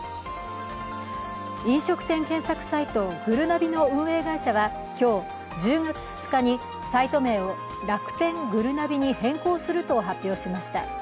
飲食店検索サイト、ぐるなびの運営会社は今日１０月２日にサイト名を楽天ぐるなびに変更すると発表しました。